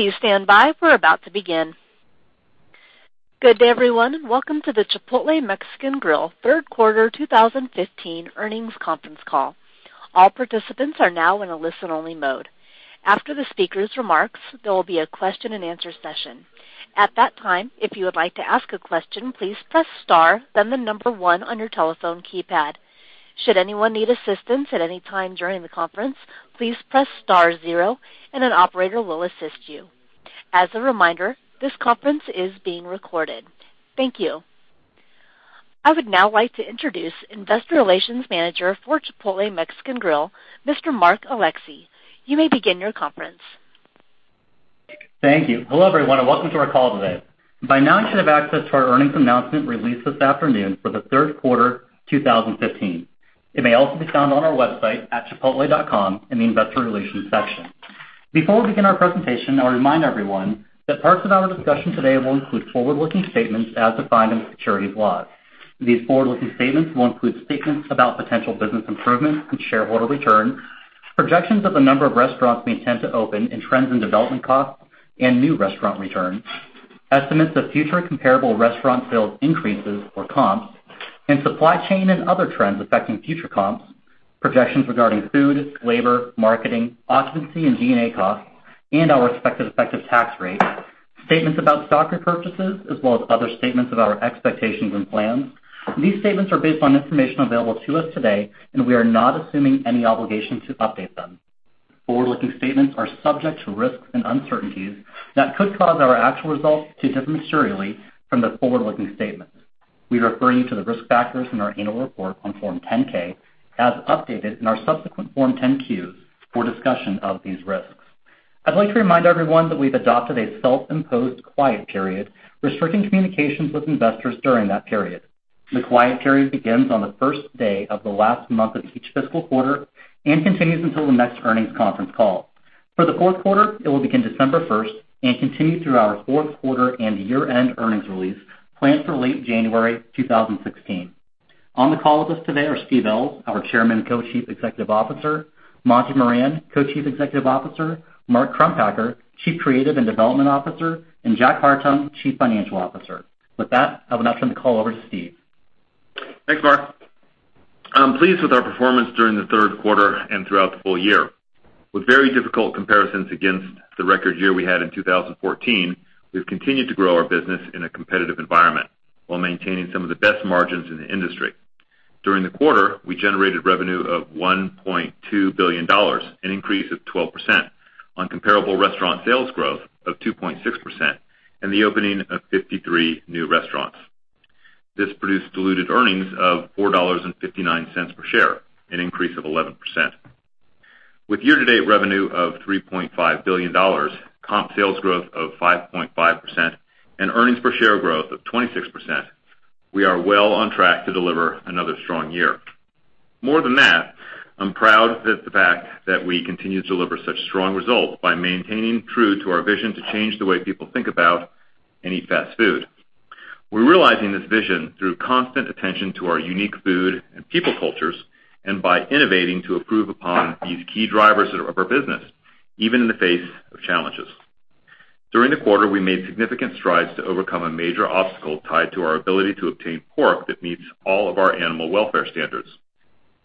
Please stand by. We're about to begin. Good day, everyone, and welcome to the Chipotle Mexican Grill third quarter 2015 earnings conference call. All participants are now in a listen-only mode. After the speakers' remarks, there will be a question and answer session. At that time, if you would like to ask a question, please press star then the number 1 on your telephone keypad. Should anyone need assistance at any time during the conference, please press star 0 and an operator will assist you. As a reminder, this conference is being recorded. Thank you. I would now like to introduce Investor Relations Manager for Chipotle Mexican Grill, Mr. Mark Alexee. You may begin your conference. Thank you. Hello, everyone, and welcome to our call today. By now you should have access to our earnings announcement released this afternoon for the third quarter 2015. It may also be found on our website at chipotle.com in the investor relations section. Before we begin our presentation, I'll remind everyone that parts of our discussion today will include forward-looking statements as defined in securities laws. These forward-looking statements will include statements about potential business improvements and shareholder return, projections of the number of restaurants we intend to open, and trends in development costs and new restaurant returns, estimates of future comparable restaurant sales increases or comps, and supply chain and other trends affecting future comps, projections regarding food, labor, marketing, occupancy, and G&A costs, and our respective effective tax rate, statements about stock repurchases, as well as other statements about our expectations and plans. These statements are based on information available to us today. We are not assuming any obligation to update them. Forward-looking statements are subject to risks and uncertainties that could cause our actual results to differ materially from the forward-looking statements. We refer you to the risk factors in our annual report on Form 10-K as updated in our subsequent Form 10-Qs for a discussion of these risks. I'd like to remind everyone that we've adopted a self-imposed quiet period restricting communications with investors during that period. The quiet period begins on the first day of the last month of each fiscal quarter and continues until the next earnings conference call. For the fourth quarter, it will begin December 1st and continue through our fourth quarter and year-end earnings release planned for late January 2016. On the call with us today are Steve Ells, our Chairman and Co-Chief Executive Officer, Monty Moran, Co-Chief Executive Officer, Mark Crumpacker, Chief Creative and Development Officer, and Jack Hartung, Chief Financial Officer. With that, I will now turn the call over to Steve. Thanks, Mark. I'm pleased with our performance during the third quarter and throughout the full year. With very difficult comparisons against the record year we had in 2014, we've continued to grow our business in a competitive environment while maintaining some of the best margins in the industry. During the quarter, we generated revenue of $1.2 billion, an increase of 12% on comparable restaurant sales growth of 2.6% and the opening of 53 new restaurants. This produced diluted earnings of $4.59 per share, an increase of 11%. With year-to-date revenue of $3.5 billion, comp sales growth of 5.5%, and earnings per share growth of 26%, we are well on track to deliver another strong year. More than that, I'm proud of the fact that we continue to deliver such strong results by maintaining true to our vision to change the way people think about and eat fast food. We're realizing this vision through constant attention to our unique food and people cultures and by innovating to improve upon these key drivers of our business, even in the face of challenges. During the quarter, we made significant strides to overcome a major obstacle tied to our ability to obtain pork that meets all of our animal welfare standards.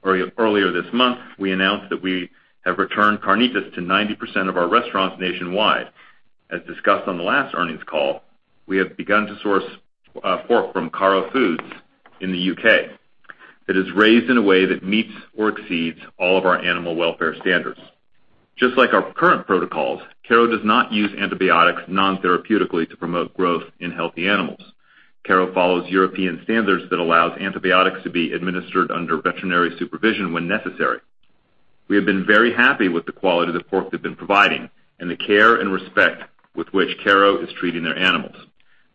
Earlier this month, we announced that we have returned carnitas to 90% of our restaurants nationwide. As discussed on the last earnings call, we have begun to source pork from Karro Foods in the U.K. It is raised in a way that meets or exceeds all of our animal welfare standards. Just like our current protocols, Karro does not use antibiotics non-therapeutically to promote growth in healthy animals. Karro follows European standards that allows antibiotics to be administered under veterinary supervision when necessary. We have been very happy with the quality of the pork they've been providing and the care and respect with which Karro is treating their animals.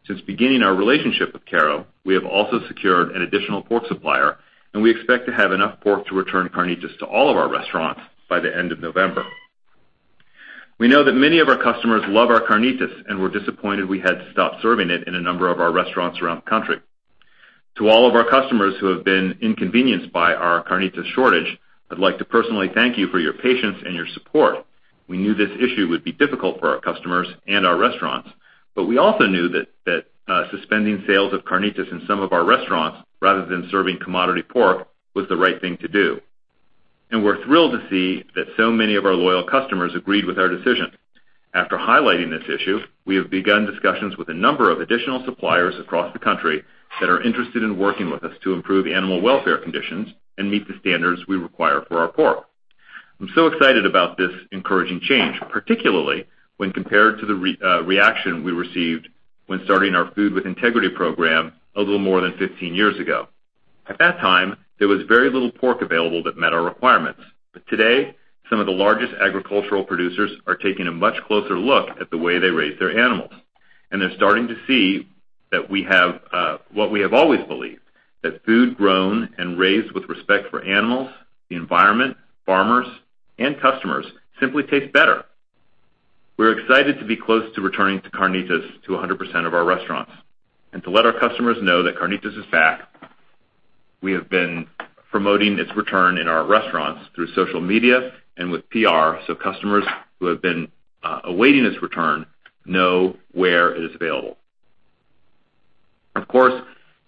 Since beginning our relationship with Karro, we have also secured an additional pork supplier, and we expect to have enough pork to return carnitas to all of our restaurants by the end of November. We know that many of our customers love our carnitas and were disappointed we had to stop serving it in a number of our restaurants around the country. To all of our customers who have been inconvenienced by our carnitas shortage, I'd like to personally thank you for your patience and your support. We knew this issue would be difficult for our customers and our restaurants, but we also knew that suspending sales of carnitas in some of our restaurants rather than serving commodity pork was the right thing to do. And we're thrilled to see that so many of our loyal customers agreed with our decision. After highlighting this issue, we have begun discussions with a number of additional suppliers across the country that are interested in working with us to improve animal welfare conditions and meet the standards we require for our pork. I'm so excited about this encouraging change, particularly when compared to the reaction we received when starting our Food With Integrity program a little more than 15 years ago. At that time, there was very little pork available that met our requirements. Today, some of the largest agricultural producers are taking a much closer look at the way they raise their animals. They're starting to see what we have always believed, that food grown and raised with respect for animals, the environment, farmers, and customers simply tastes better. We're excited to be close to returning to carnitas to 100% of our restaurants and to let our customers know that carnitas is back. We have been promoting its return in our restaurants through social media and with PR, so customers who have been awaiting its return know where it is available. Of course,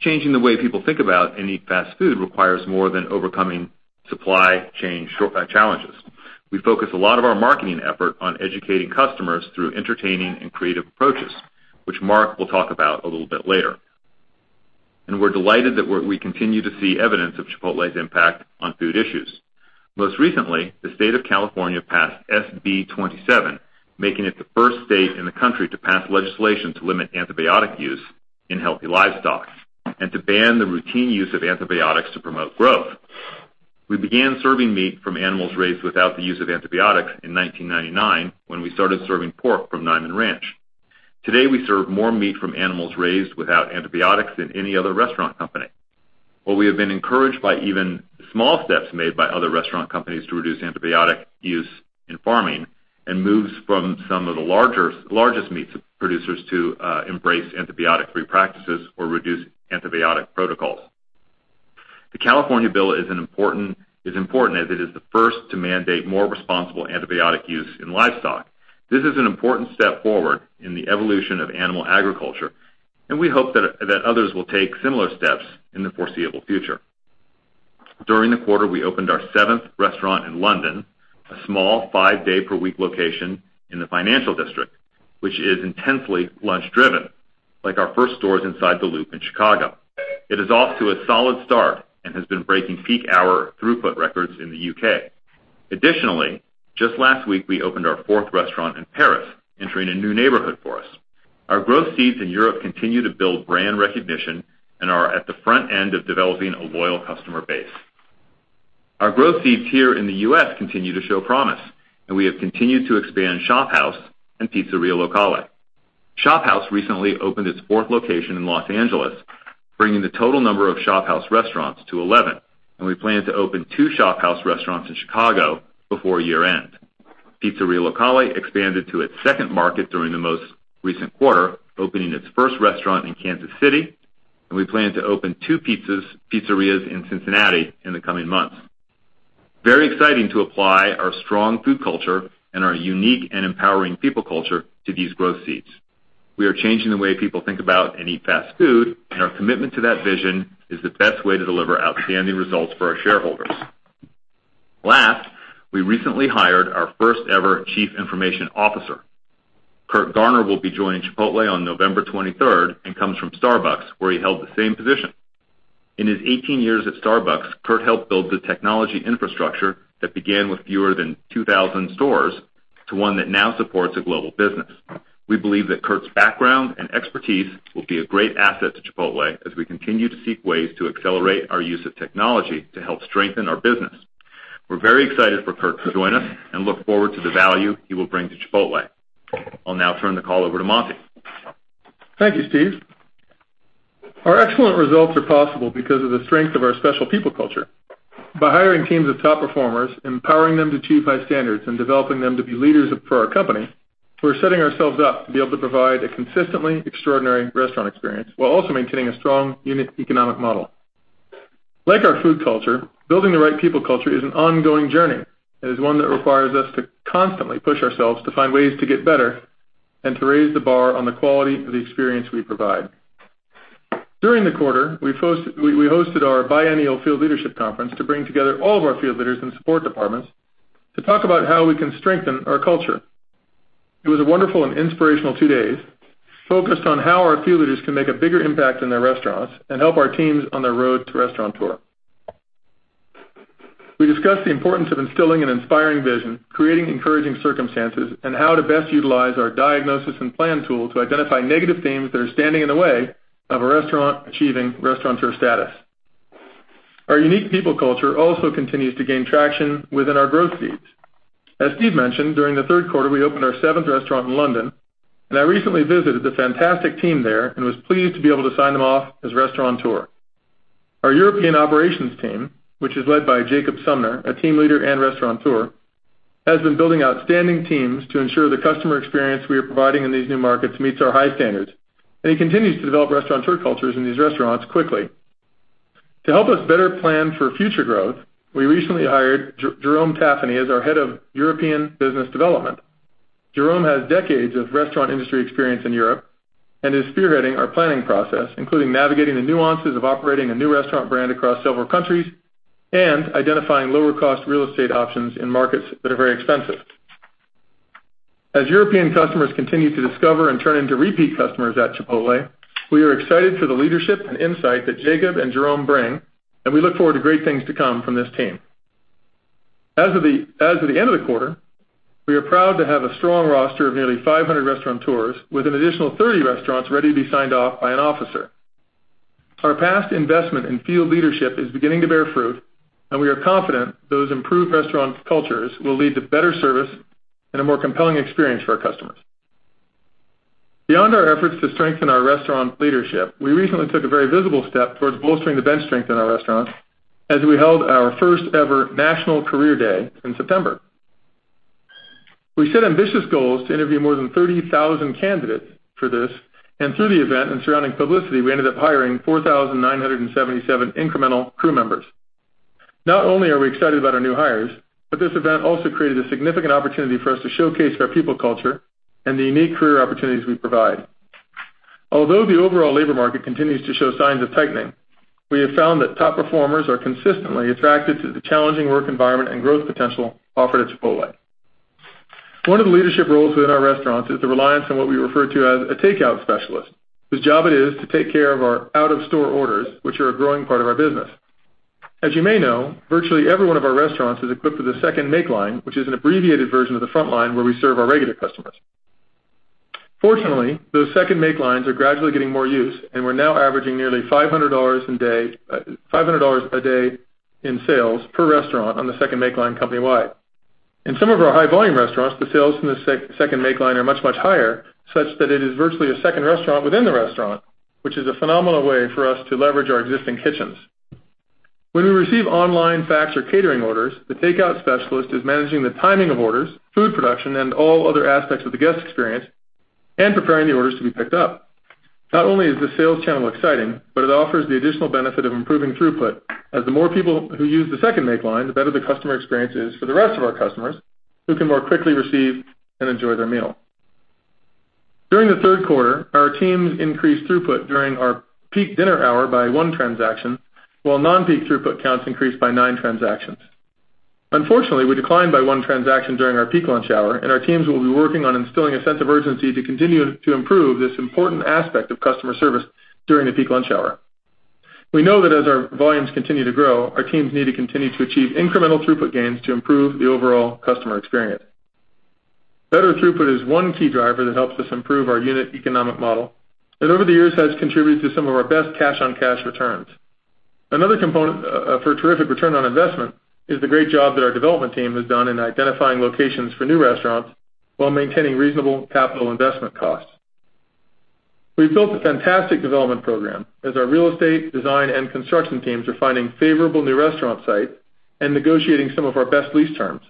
changing the way people think about and eat fast food requires more than overcoming supply chain challenges. We focus a lot of our marketing effort on educating customers through entertaining and creative approaches, which Mark will talk about a little bit later. We're delighted that we continue to see evidence of Chipotle's impact on food issues. Most recently, the state of California passed SB 27, making it the first state in the country to pass legislation to limit antibiotic use in healthy livestock and to ban the routine use of antibiotics to promote growth. We began serving meat from animals raised without the use of antibiotics in 1999, when we started serving pork from Niman Ranch. Today, we serve more meat from animals raised without antibiotics than any other restaurant company. While we have been encouraged by even small steps made by other restaurant companies to reduce antibiotic use in farming and moves from some of the largest meat producers to embrace antibiotic-free practices or reduce antibiotic protocols, the California bill is important as it is the first to mandate more responsible antibiotic use in livestock. This is an important step forward in the evolution of animal agriculture, and we hope that others will take similar steps in the foreseeable future. During the quarter, we opened our seventh restaurant in London, a small five-day per week location in the financial district, which is intensely lunch driven, like our first stores inside the Loop in Chicago. It is off to a solid start and has been breaking peak hour throughput records in the U.K. Additionally, just last week, we opened our fourth restaurant in Paris, entering a new neighborhood for us. Our growth seeds in Europe continue to build brand recognition and are at the front end of developing a loyal customer base. Our growth seeds here in the U.S. continue to show promise. We have continued to expand ShopHouse and Pizzeria Locale. ShopHouse recently opened its fourth location in L.A., bringing the total number of ShopHouse restaurants to 11. We plan to open two ShopHouse restaurants in Chicago before year-end. Pizzeria Locale expanded to its second market during the most recent quarter, opening its first restaurant in Kansas City. We plan to open two pizzerias in Cincinnati in the coming months. Very exciting to apply our strong food culture and our unique and empowering people culture to these growth seeds. We are changing the way people think about and eat fast food, and our commitment to that vision is the best way to deliver outstanding results for our shareholders. Last, we recently hired our first ever Chief Information Officer. Curt Garner will be joining Chipotle on November 23rd and comes from Starbucks, where he held the same position. In his 18 years at Starbucks, Curt helped build the technology infrastructure that began with fewer than 2,000 stores to one that now supports a global business. We believe that Curt's background and expertise will be a great asset to Chipotle as we continue to seek ways to accelerate our use of technology to help strengthen our business. We're very excited for Curt to join us and look forward to the value he will bring to Chipotle. I'll now turn the call over to Monty. Thank you, Steve. Our excellent results are possible because of the strength of our special people culture. By hiring teams of top performers, empowering them to achieve high standards, and developing them to be leaders for our company, we're setting ourselves up to be able to provide a consistently extraordinary restaurant experience while also maintaining a strong unit economic model. Like our food culture, building the right people culture is an ongoing journey, and is one that requires us to constantly push ourselves to find ways to get better and to raise the bar on the quality of the experience we provide. During the quarter, we hosted our biennial field leadership conference to bring together all of our field leaders and support departments to talk about how we can strengthen our culture. It was a wonderful and inspirational two days, focused on how our field leaders can make a bigger impact in their restaurants and help our teams on their road to Restaurateur. We discussed the importance of instilling an inspiring vision, creating encouraging circumstances, and how to best utilize our diagnosis and plan tool to identify negative themes that are standing in the way of a restaurant achieving Restaurateur status. Our unique people culture also continues to gain traction within our growth seeds. As Steve mentioned, during the third quarter, we opened our seventh restaurant in London, and I recently visited the fantastic team there and was pleased to be able to sign them off as Restaurateur. Our European operations team, which is led by Jacob Sumner, a team leader and Restaurateur, has been building outstanding teams to ensure the customer experience we are providing in these new markets meets our high standards. He continues to develop Restaurateur cultures in these restaurants quickly. To help us better plan for future growth, we recently hired Jérôme Tafani as our head of European business development. Jérôme has decades of restaurant industry experience in Europe and is spearheading our planning process, including navigating the nuances of operating a new restaurant brand across several countries and identifying lower cost real estate options in markets that are very expensive. As European customers continue to discover and turn into repeat customers at Chipotle, we are excited for the leadership and insight that Jacob and Jérôme bring, and we look forward to great things to come from this team. As of the end of the quarter, we are proud to have a strong roster of nearly 500 Restaurateurs with an additional 30 restaurants ready to be signed off by an officer. Our past investment in field leadership is beginning to bear fruit, and we are confident those improved restaurant cultures will lead to better service and a more compelling experience for our customers. Beyond our efforts to strengthen our restaurant leadership, we recently took a very visible step towards bolstering the bench strength in our restaurants as we held our first ever national career day in September. We set ambitious goals to interview more than 30,000 candidates for this, and through the event and surrounding publicity, we ended up hiring 4,977 incremental crew members. Not only are we excited about our new hires, but this event also created a significant opportunity for us to showcase our people culture and the unique career opportunities we provide. Although the overall labor market continues to show signs of tightening, we have found that top performers are consistently attracted to the challenging work environment and growth potential offered at Chipotle. One of the leadership roles within our restaurants is the reliance on what we refer to as a takeout specialist, whose job it is to take care of our out-of-store orders, which are a growing part of our business. As you may know, virtually every one of our restaurants is equipped with a second make line, which is an abbreviated version of the front line where we serve our regular customers. Fortunately, those second make lines are gradually getting more use, and we're now averaging nearly $500 a day in sales per restaurant on the second make line company-wide. In some of our high-volume restaurants, the sales from the second make line are much, much higher, such that it is virtually a second restaurant within the restaurant, which is a phenomenal way for us to leverage our existing kitchens. When we receive online fax or catering orders, the takeout specialist is managing the timing of orders, food production, and all other aspects of the guest experience, and preparing the orders to be picked up. Not only is this sales channel exciting, but it offers the additional benefit of improving throughput, as the more people who use the second make line, the better the customer experience is for the rest of our customers who can more quickly receive and enjoy their meal. During the third quarter, our teams increased throughput during our peak dinner hour by one transaction, while non-peak throughput counts increased by nine transactions. Unfortunately, we declined by one transaction during our peak lunch hour, and our teams will be working on instilling a sense of urgency to continue to improve this important aspect of customer service during the peak lunch hour. We know that as our volumes continue to grow, our teams need to continue to achieve incremental throughput gains to improve the overall customer experience. Better throughput is one key driver that helps us improve our unit economic model. Over the years, has contributed to some of our best cash-on-cash returns. Another component for a terrific return on investment is the great job that our development team has done in identifying locations for new restaurants while maintaining reasonable capital investment costs. We've built a fantastic development program as our real estate, design, and construction teams are finding favorable new restaurant sites and negotiating some of our best lease terms.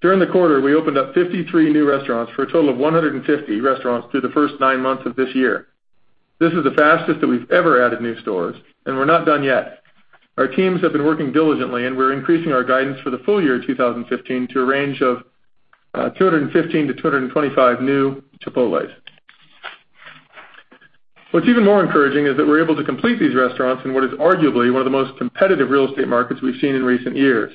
During the quarter, we opened up 53 new restaurants for a total of 150 restaurants through the first nine months of this year. This is the fastest that we've ever added new stores, and we're not done yet. Our teams have been working diligently, and we're increasing our guidance for the full year 2015 to a range of 215 to 225 new Chipotles. What's even more encouraging is that we're able to complete these restaurants in what is arguably one of the most competitive real estate markets we've seen in recent years.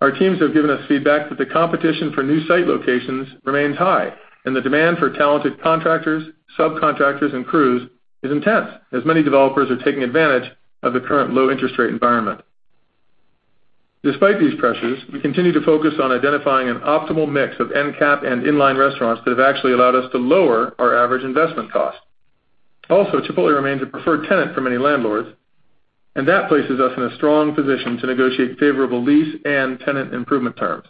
Our teams have given us feedback that the competition for new site locations remains high. The demand for talented contractors, subcontractors, and crews is intense, as many developers are taking advantage of the current low interest rate environment. Despite these pressures, we continue to focus on identifying an optimal mix of end-cap and in-line restaurants that have actually allowed us to lower our average investment cost. Chipotle remains a preferred tenant for many landlords. That places us in a strong position to negotiate favorable lease and tenant improvement terms.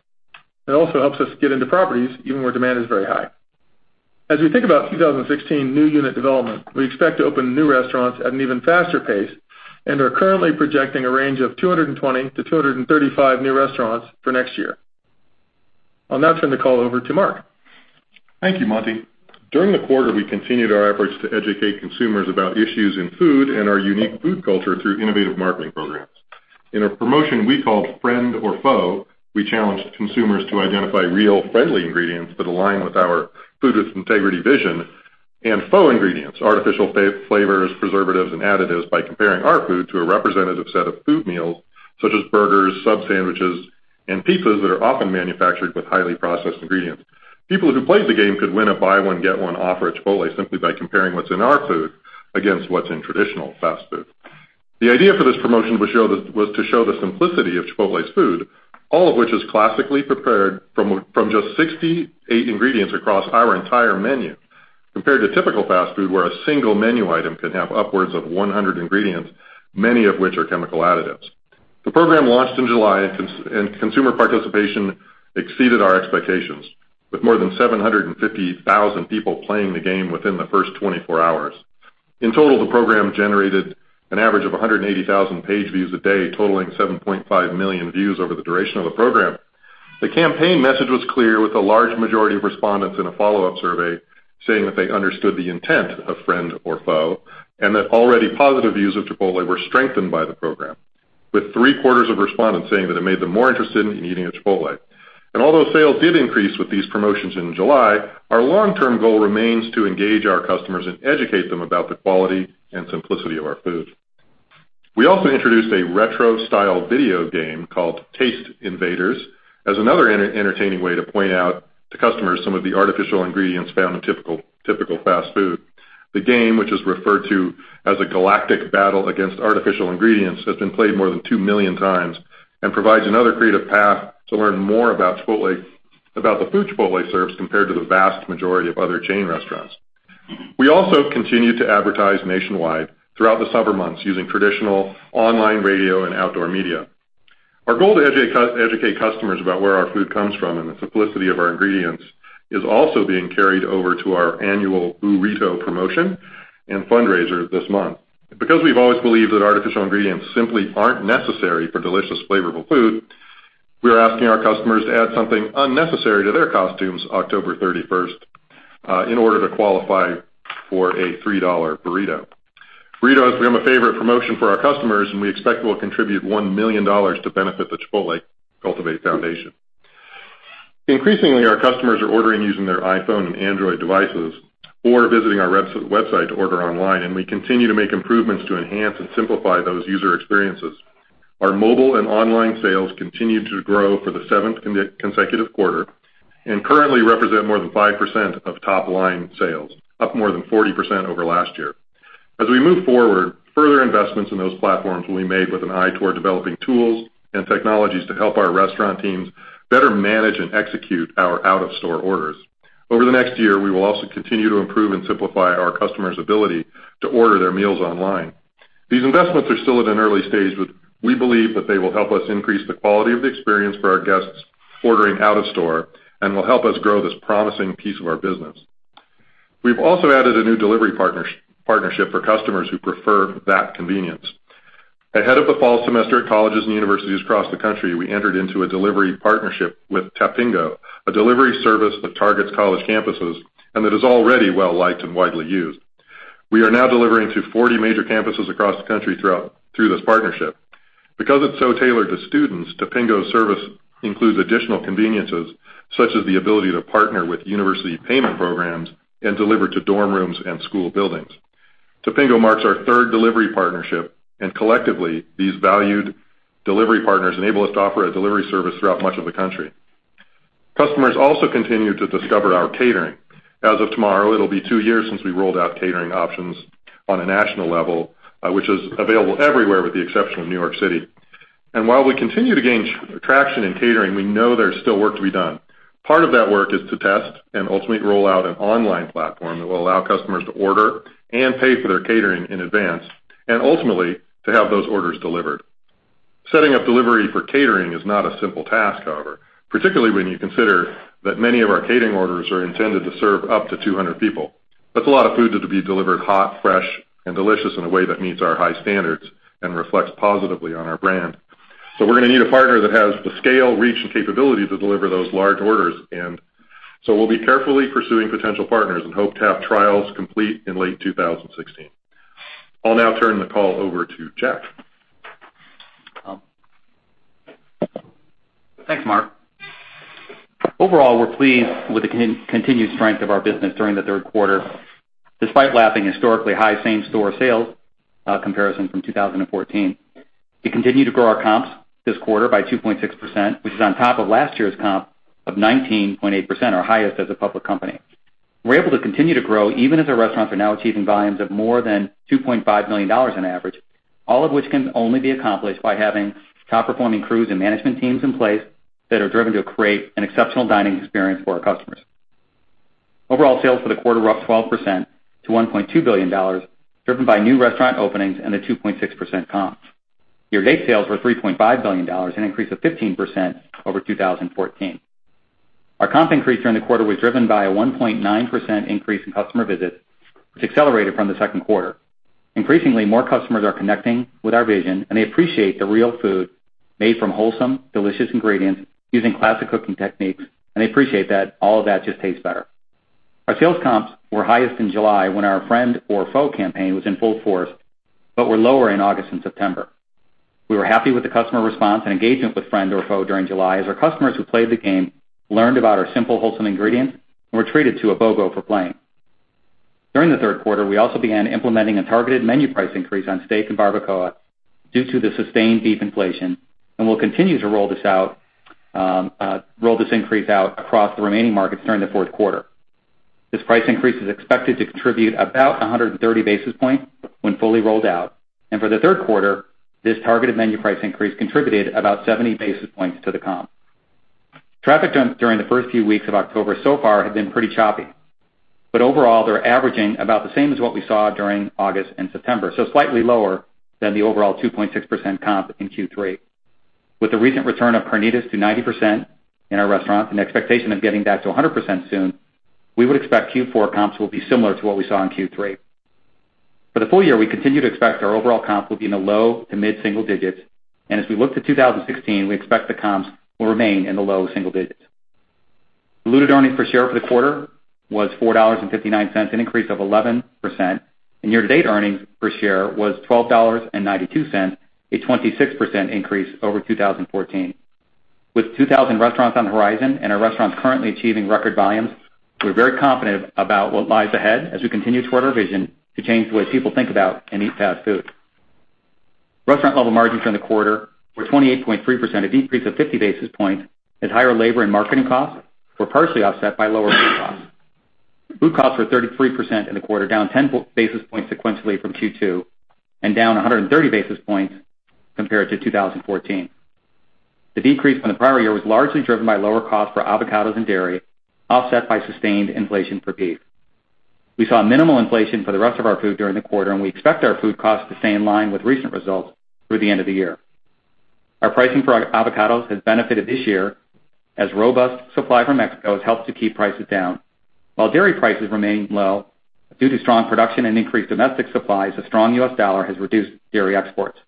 It also helps us get into properties even where demand is very high. As we think about 2016 new unit development, we expect to open new restaurants at an even faster pace and are currently projecting a range of 220 to 235 new restaurants for next year. I'll now turn the call over to Mark. Thank you, Monty. During the quarter, we continued our efforts to educate consumers about issues in food and our unique food culture through innovative marketing programs. In a promotion we called Friend or Foe, we challenged consumers to identify real friendly ingredients that align with our Food with Integrity vision and faux ingredients, artificial flavors, preservatives, and additives by comparing our food to a representative set of food meals, such as burgers, sub sandwiches, and pizzas that are often manufactured with highly processed ingredients. People who played the game could win a buy one, get one offer at Chipotle simply by comparing what's in our food against what's in traditional fast food. The idea for this promotion was to show the simplicity of Chipotle's food, all of which is classically prepared from just 68 ingredients across our entire menu. Compared to typical fast food, where a single menu item can have upwards of 100 ingredients, many of which are chemical additives. The program launched in July. Consumer participation exceeded our expectations, with more than 750,000 people playing the game within the first 24 hours. In total, the program generated an average of 180,000 page views a day, totaling 7.5 million views over the duration of the program. The campaign message was clear, with a large majority of respondents in a follow-up survey saying that they understood the intent of Friend or Foe, and that already positive views of Chipotle were strengthened by the program, with three-quarters of respondents saying that it made them more interested in eating at Chipotle. Although sales did increase with these promotions in July, our long-term goal remains to engage our customers and educate them about the quality and simplicity of our food. We also introduced a retro-style video game called Taste Invaders as another entertaining way to point out to customers some of the artificial ingredients found in typical fast food. The game, which is referred to as a galactic battle against artificial ingredients, has been played more than 2 million times and provides another creative path to learn more about the food Chipotle serves compared to the vast majority of other chain restaurants. We also continue to advertise nationwide throughout the summer months using traditional online radio and outdoor media. Our goal to educate customers about where our food comes from and the simplicity of our ingredients is also being carried over to our annual Boorito promotion and fundraiser this month. We've always believed that artificial ingredients simply aren't necessary for delicious, flavorful food, we're asking our customers to add something unnecessary to their costumes October 31st in order to qualify for a $3 burrito. Boorito become a favorite promotion for our customers, and we expect it will contribute $1 million to benefit the Chipotle Cultivate Foundation. Increasingly, our customers are ordering using their iPhone and Android devices or visiting our website to order online, and we continue to make improvements to enhance and simplify those user experiences. Our mobile and online sales continue to grow for the seventh consecutive quarter and currently represent more than 5% of top-line sales, up more than 40% over last year. We move forward, further investments in those platforms will be made with an eye toward developing tools and technologies to help our restaurant teams better manage and execute our out-of-store orders. Over the next year, we will also continue to improve and simplify our customers' ability to order their meals online. These investments are still at an early stage, but we believe that they will help us increase the quality of the experience for our guests ordering out of store and will help us grow this promising piece of our business. We've also added a new delivery partnership for customers who prefer that convenience. Ahead of the fall semester at colleges and universities across the country, we entered into a delivery partnership with Tapingo, a delivery service that targets college campuses and that is already well-liked and widely used. We are now delivering to 40 major campuses across the country through this partnership. It's so tailored to students, Tapingo's service includes additional conveniences, such as the ability to partner with university payment programs and deliver to dorm rooms and school buildings. Tapingo marks our third delivery partnership. Collectively, these valued delivery partners enable us to offer a delivery service throughout much of the country. Customers also continue to discover our catering. As of tomorrow, it'll be two years since we rolled out catering options on a national level, which is available everywhere with the exception of New York City. While we continue to gain traction in catering, we know there's still work to be done. Part of that work is to test and ultimately roll out an online platform that will allow customers to order and pay for their catering in advance, and ultimately, to have those orders delivered. Setting up delivery for catering is not a simple task, however, particularly when you consider that many of our catering orders are intended to serve up to 200 people. That's a lot of food to be delivered hot, fresh, and delicious in a way that meets our high standards and reflects positively on our brand. We're going to need a partner that has the scale, reach, and capability to deliver those large orders. We'll be carefully pursuing potential partners and hope to have trials complete in late 2016. I'll now turn the call over to Jack. Thanks, Mark. Overall, we're pleased with the continued strength of our business during the third quarter, despite lapping historically high same-store sales comparison from 2014. We continued to grow our comps this quarter by 2.6%, which is on top of last year's comp of 19.8%, our highest as a public company. We're able to continue to grow even as our restaurants are now achieving volumes of more than $2.5 million on average, all of which can only be accomplished by having top-performing crews and management teams in place that are driven to create an exceptional dining experience for our customers. Overall sales for the quarter were up 12% to $1.2 billion, driven by new restaurant openings and a 2.6% comp. Year-to-date sales were $3.5 billion, an increase of 15% over 2014. Our comp increase during the quarter was driven by a 1.9% increase in customer visits, which accelerated from the second quarter. Increasingly, more customers are connecting with our vision, and they appreciate the real food made from wholesome, delicious ingredients using classic cooking techniques, and they appreciate that all of that just tastes better. Our sales comps were highest in July when our Friend or Foe campaign was in full force but were lower in August and September. We were happy with the customer response and engagement with Friend or Foe during July as our customers who played the game learned about our simple, wholesome ingredients and were treated to a BOGO for playing. During the third quarter, we also began implementing a targeted menu price increase on steak and barbacoa due to the sustained beef inflation. We'll continue to roll this increase out across the remaining markets during the fourth quarter. This price increase is expected to contribute about 130 basis points when fully rolled out. For the third quarter, this targeted menu price increase contributed about 70 basis points to the comp. Traffic during the first few weeks of October so far had been pretty choppy. Overall, they're averaging about the same as what we saw during August and September, so slightly lower than the overall 2.6% comp in Q3. With the recent return of carnitas to 90% in our restaurants and the expectation of getting that to 100% soon, we would expect Q4 comps will be similar to what we saw in Q3. For the full year, we continue to expect our overall comp will be in the low to mid-single digits. As we look to 2016, we expect the comps will remain in the low single digits. Diluted earnings per share for the quarter was $4.59, an increase of 11%, and year-to-date earnings per share was $12.92, a 26% increase over 2014. With 2,000 restaurants on the horizon and our restaurants currently achieving record volumes, we're very confident about what lies ahead as we continue toward our vision to change the way people think about and eat fast food. Restaurant level margins during the quarter were 28.3%, a decrease of 50 basis points, as higher labor and marketing costs were partially offset by lower food costs. Food costs were 33% in the quarter, down 10 basis points sequentially from Q2 and down 130 basis points compared to 2014. The decrease from the prior year was largely driven by lower costs for avocados and dairy, offset by sustained inflation for beef. We saw minimal inflation for the rest of our food during the quarter. We expect our food costs to stay in line with recent results through the end of the year. Our pricing for avocados has benefited this year as robust supply from Mexico has helped to keep prices down. While dairy prices remain low due to strong production and increased domestic supplies, the strong U.S. dollar has reduced dairy exports.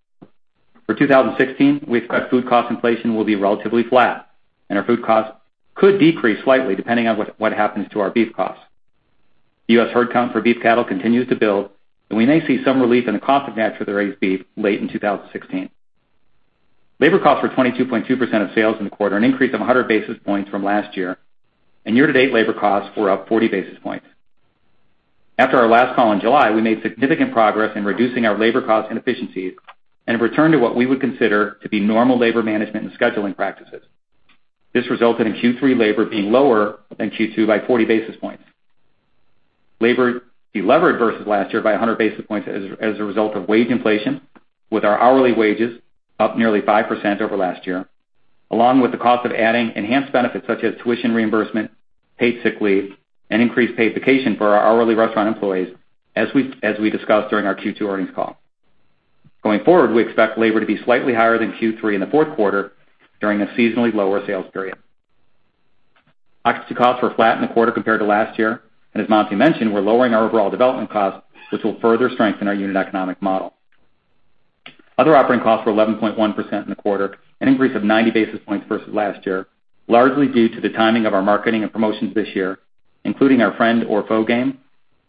For 2016, we expect food cost inflation will be relatively flat, and our food cost could decrease slightly, depending on what happens to our beef costs. The U.S. herd count for beef cattle continues to build. We may see some relief in the cost of natural raised beef late in 2016. Labor costs were 22.2% of sales in the quarter, an increase of 100 basis points from last year. Year-to-date labor costs were up 40 basis points. After our last call in July, we made significant progress in reducing our labor cost inefficiencies and have returned to what we would consider to be normal labor management and scheduling practices. This resulted in Q3 labor being lower than Q2 by 40 basis points. Labor delevered versus last year by 100 basis points as a result of wage inflation, with our hourly wages up nearly 5% over last year, along with the cost of adding enhanced benefits such as tuition reimbursement, paid sick leave, and increased paid vacation for our hourly restaurant employees, as we discussed during our Q2 earnings call. Going forward, we expect labor to be slightly higher than Q3 in the fourth quarter during a seasonally lower sales period. Occupancy costs were flat in the quarter compared to last year. As Monty mentioned, we're lowering our overall development costs, which will further strengthen our unit economic model. Other operating costs were 11.1% in the quarter, an increase of 90 basis points versus last year, largely due to the timing of our marketing and promotions this year, including our Friend or Foe game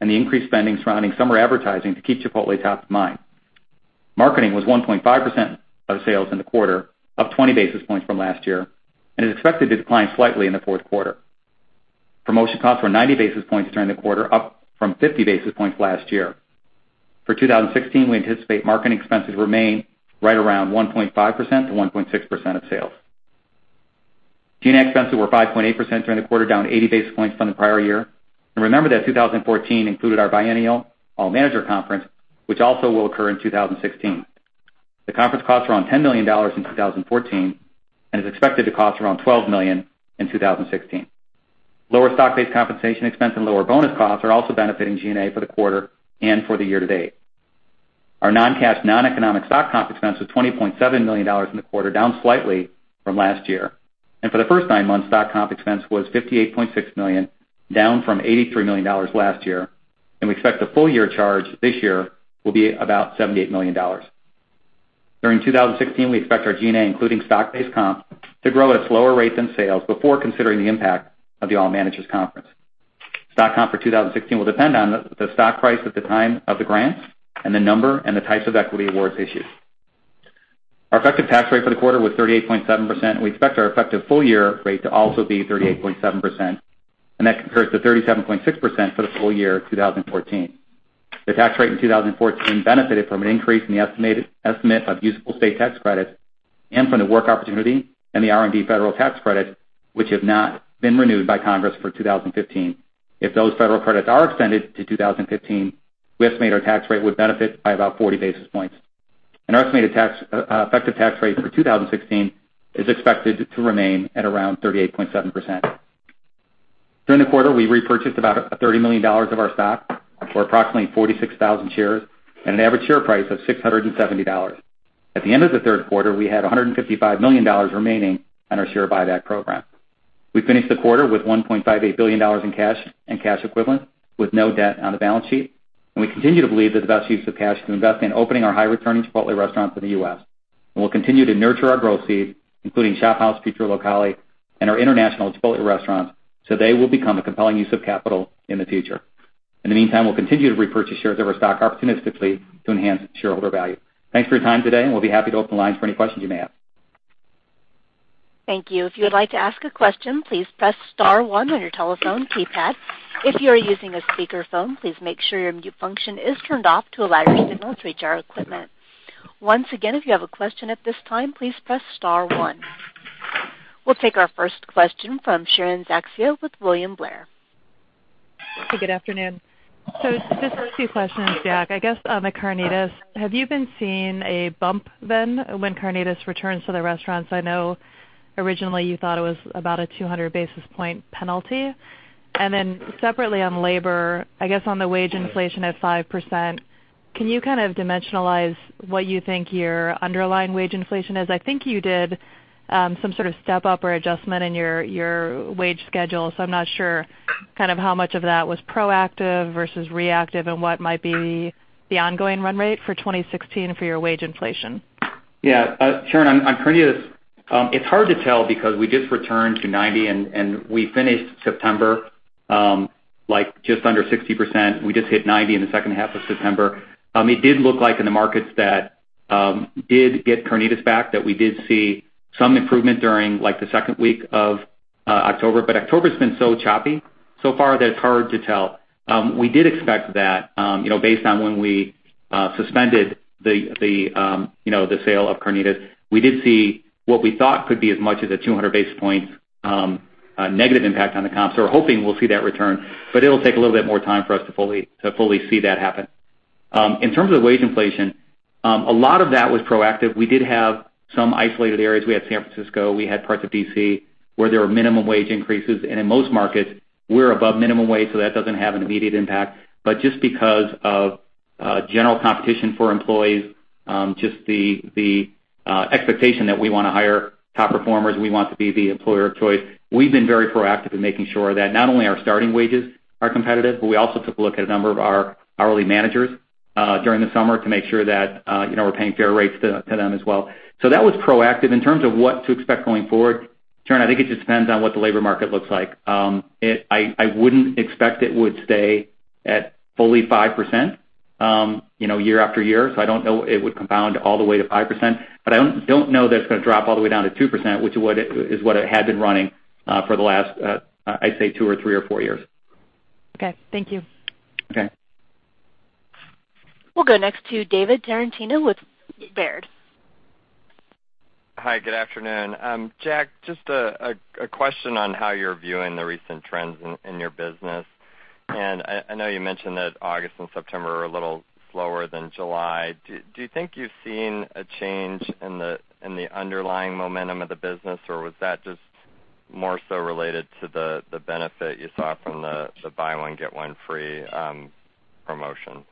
and the increased spending surrounding summer advertising to keep Chipotle top of mind. Marketing was 1.5% of sales in the quarter, up 20 basis points from last year. Is expected to decline slightly in the fourth quarter. Promotion costs were 90 basis points during the quarter, up from 50 basis points last year. For 2016, we anticipate marketing expenses remain right around 1.5%-1.6% of sales. G&A expenses were 5.8% during the quarter, down 80 basis points from the prior year. Remember that 2014 included our biennial All Manager Conference, which also will occur in 2016. The conference cost around $10 million in 2014 and is expected to cost around $12 million in 2016. Lower stock-based compensation expense and lower bonus costs are also benefiting G&A for the quarter and for the year-to-date. Our non-cash, non-economic stock comp expense was $20.7 million in the quarter, down slightly from last year. For the first nine months, stock comp expense was $58.6 million, down from $83 million last year, and we expect the full-year charge this year will be about $78 million. During 2016, we expect our G&A, including stock-based comp, to grow at a slower rate than sales before considering the impact of the All Manager Conference. Stock comp for 2016 will depend on the stock price at the time of the grants and the number and the types of equity awards issued. Our effective tax rate for the quarter was 38.7%, and we expect our effective full-year rate to also be 38.7%, and that compares to 37.6% for the full year 2014. The tax rate in 2014 benefited from an increase in the estimate of useful state tax credits and from the work opportunity and the R&D federal tax credit, which have not been renewed by Congress for 2015. If those federal credits are extended to 2015, we estimate our tax rate would benefit by about 40 basis points. Our estimated effective tax rate for 2016 is expected to remain at around 38.7%. During the quarter, we repurchased about $30 million of our stock for approximately 46,000 shares at an average share price of $670. At the end of the third quarter, we had $155 million remaining on our share buyback program. We finished the quarter with $1.58 billion in cash and cash equivalent, with no debt on the balance sheet, and we continue to believe that the best use of cash is to invest in opening our high-returning Chipotle restaurants in the U.S. We'll continue to nurture our growth seed, including ShopHouse, Pizzeria Locale, and our international Chipotle restaurants, so they will become a compelling use of capital in the future. In the meantime, we'll continue to repurchase shares of our stock opportunistically to enhance shareholder value. Thanks for your time today. We'll be happy to open the lines for any questions you may have. Thank you. If you would like to ask a question, please press *1 on your telephone keypad. If you are using a speakerphone, please make sure your mute function is turned off to allow your signal to reach our equipment. Once again, if you have a question at this time, please press *1. We'll take our first question from Sharon Zackfia with William Blair. Hey, good afternoon. Just the first two questions, Jack, I guess on the carnitas, have you been seeing a bump then when carnitas returns to the restaurants? I know originally you thought it was about a 200-basis-point penalty. Separately on labor, I guess on the wage inflation at 5%, can you kind of dimensionalize what you think your underlying wage inflation is? I think you did some sort of step-up or adjustment in your wage schedule, so I'm not sure how much of that was proactive versus reactive and what might be the ongoing run rate for 2016 for your wage inflation. Sharon, on carnitas, it's hard to tell because we just returned to 90%, and we finished September, just under 60%. We just hit 90% in the second half of September. It did look like in the markets that did get carnitas back, that we did see some improvement during the second week of October. October's been so choppy so far that it's hard to tell. We did expect that based on when we suspended the sale of carnitas. We did see what we thought could be as much as a 200-basis-point negative impact on the comp, so we're hoping we'll see that return, but it'll take a little bit more time for us to fully see that happen. In terms of the wage inflation, a lot of that was proactive. We did have some isolated areas. We had San Francisco, we had parts of D.C. where there were minimum wage increases, and in most markets, we're above minimum wage, so that doesn't have an immediate impact. Just because of general competition for employees, just the expectation that we want to hire top performers, we want to be the employer of choice. We've been very proactive in making sure that not only our starting wages are competitive, but we also took a look at a number of our hourly managers during the summer to make sure that we're paying fair rates to them as well. That was proactive. In terms of what to expect going forward, Sharon, I think it just depends on what the labor market looks like. I wouldn't expect it would stay at fully 5% year after year. I don't know it would compound all the way to 5%, I don't know that it's going to drop all the way down to 2%, which is what it had been running for the last, I'd say two or three or four years. Okay. Thank you. Okay. We'll go next to David Tarantino with Baird. Hi, good afternoon. Jack, just a question on how you're viewing the recent trends in your business. I know you mentioned that August and September are a little slower than July. Do you think you've seen a change in the underlying momentum of the business, or was that just more so related to the benefit you saw from the buy one get one free promotion?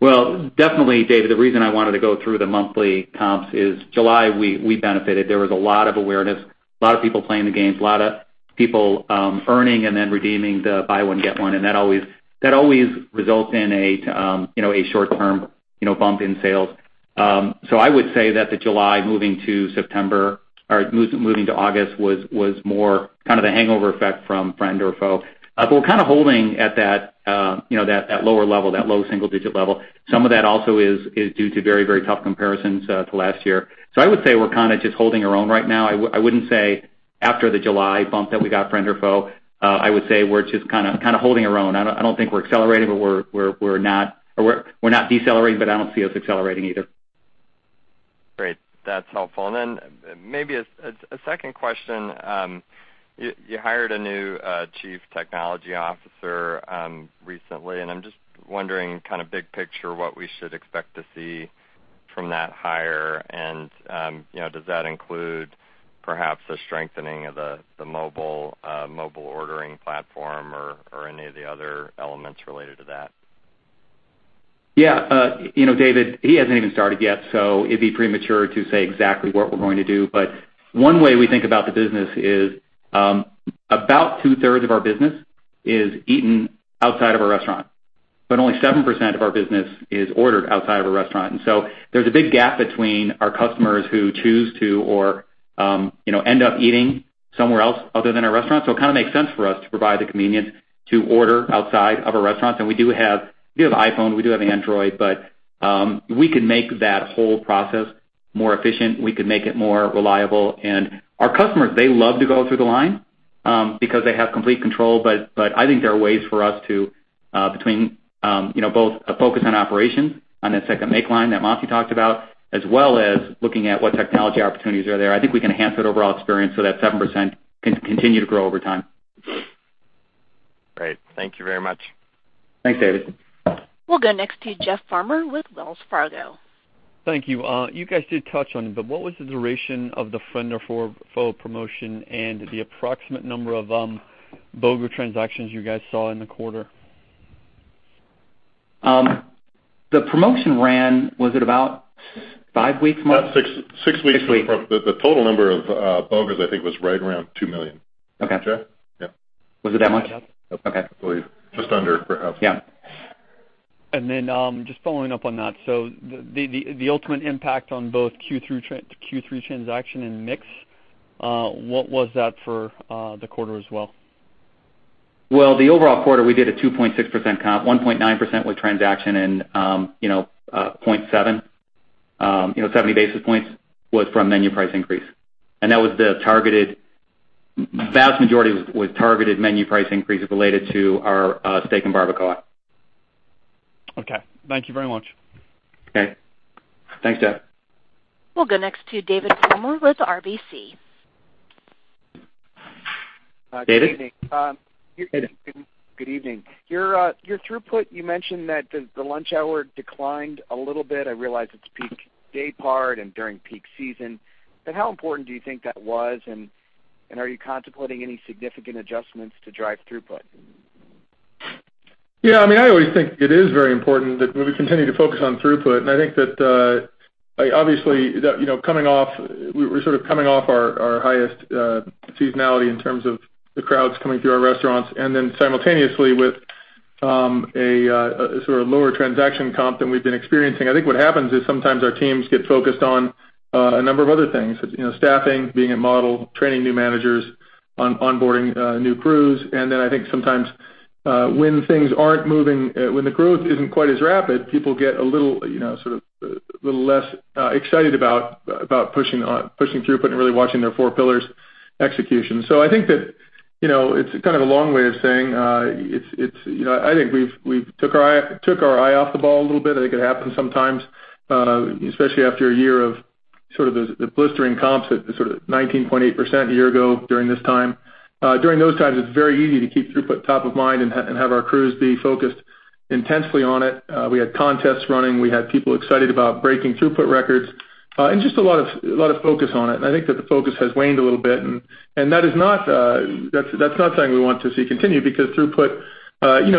Well, definitely, David, the reason I wanted to go through the monthly comps is July, we benefited. There was a lot of awareness, a lot of people playing the games, a lot of people earning and then redeeming the buy one get one, and that always results in a short-term bump in sales. I would say that the July moving to August was more kind of the hangover effect from Friend or Foe. We're kind of holding at that lower level, that low single-digit level. Some of that also is due to very, very tough comparisons to last year. I would say we're kind of just holding our own right now. I wouldn't say after the July bump that we got Friend or Foe, I would say we're just kind of holding our own. I don't think we're accelerating, we're not decelerating, I don't see us accelerating either. Great. That's helpful. Maybe a second question. You hired a new Chief Technology Officer recently, I'm just wondering kind of big picture, what we should expect to see from that hire. Does that include perhaps a strengthening of the mobile ordering platform or any of the other elements related to that? Yeah. David, he hasn't even started yet, it'd be premature to say exactly what we're going to do. One way we think about the business is about two-thirds of our business is eaten outside of a restaurant, only 7% of our business is ordered outside of a restaurant. There's a big gap between our customers who choose to or end up eating somewhere else other than a restaurant. It kind of makes sense for us to provide the convenience to order outside of a restaurant. We do have iPhone, we do have Android, we can make that whole process more efficient. We can make it more reliable. Our customers, they love to go through the line because they have complete control. I think there are ways for us to, between both a focus on operations, on the second make line that Monty talked about, as well as looking at what technology opportunities are there. I think we can enhance that overall experience that 7% can continue to grow over time. Great. Thank you very much. Thanks, David. We'll go next to Jeff Farmer with Wells Fargo. Thank you. You guys did touch on it, but what was the duration of the Friend or Foe promotion and the approximate number of BOGO transactions you guys saw in the quarter? The promotion ran, was it about five weeks, Monty? About six weeks. Six weeks. The total number of BOGOs, I think, was right around two million. Okay. Jack? Yeah. Was it that much? Yep. Okay. Just under, perhaps. Yeah. Just following up on that. The ultimate impact on both Q3 transaction and mix, what was that for the quarter as well? The overall quarter, we did a 2.6% comp, 1.9% was transaction, and 0.7%, 70 basis points was from menu price increase. Vast majority was targeted menu price increases related to our steak and barbacoa. Okay. Thank you very much. Okay. Thanks, Jeff. We'll go next to David Palmer with RBC. David? Good evening. Hey, David. Good evening. Your throughput, you mentioned that the lunch hour declined a little bit. I realize it's peak day part and during peak season, but how important do you think that was, and are you contemplating any significant adjustments to drive throughput? Yeah, I always think it is very important that we continue to focus on throughput, and I think that obviously, we're sort of coming off our highest seasonality in terms of the crowds coming through our restaurants, and then simultaneously with a sort of lower transaction comp than we've been experiencing. I think what happens is sometimes our teams get focused on a number of other things. Staffing, being a model, training new managers, onboarding new crews. I think sometimes when things aren't moving, when the growth isn't quite as rapid, people get a little less excited about pushing throughput and really watching their four pillars execution. I think that it's kind of a long way of saying, I think we've took our eye off the ball a little bit. I think it happens sometimes, especially after a year of sort of the blistering comps at sort of 19.8% a year ago during this time. During those times, it's very easy to keep throughput top of mind and have our crews be focused intensely on it. We had contests running. We had people excited about breaking throughput records. Just a lot of focus on it. I think that the focus has waned a little bit, and that's not something we want to see continue because throughput,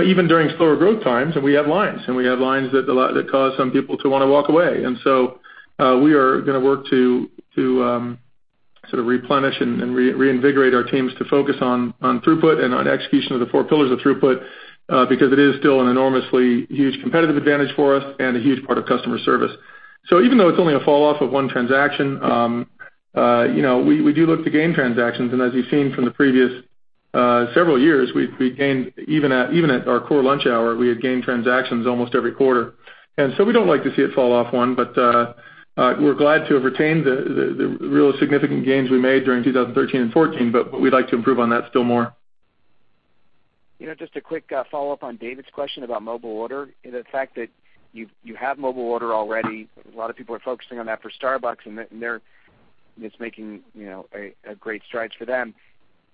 even during slower growth times, we have lines. We have lines that cause some people to want to walk away. We are going to work to sort of replenish and reinvigorate our teams to focus on throughput and on execution of the four pillars of throughput, because it is still an enormously huge competitive advantage for us and a huge part of customer service. Even though it's only a fall off of one transaction, we do look to gain transactions. As you've seen from the previous several years, even at our core lunch hour, we had gained transactions almost every quarter. We don't like to see it fall off one, we're glad to have retained the real significant gains we made during 2013 and 2014, we'd like to improve on that still more. Just a quick follow-up on David's question about mobile order, the fact that you have mobile order already. A lot of people are focusing on that for Starbucks, it's making great strides for them.